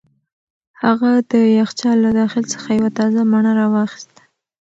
هغه د یخچال له داخل څخه یوه تازه مڼه را واخیسته.